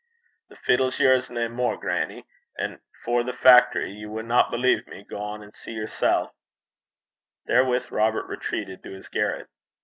'The fiddle's yours nae mair, grannie. And for the fact'ry ye winna believe me: gang and see yersel'.' Therewith Robert retreated to his garret.